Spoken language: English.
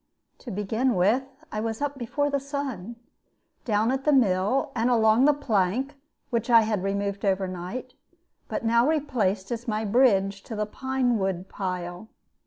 To begin with, I was up before the sun, and down at the mill, and along the plank, which I had removed overnight, but now replaced as my bridge to the pine wood pile.